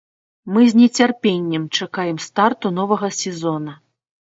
Мы з нецярпеннем чакаем старту новага сезона.